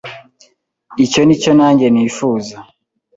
Icyo ni cyo nanjye nifuza